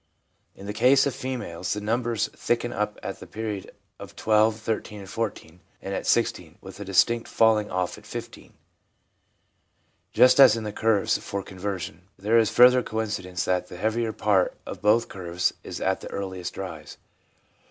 In the case of females the numbers thicken up at the period of 12, 13 and 14, and at 16, with a distinct falling off at 15 — just as in the curve for conversion ; there is the further coincidence that the heavier part of both curves is at their earliest rise.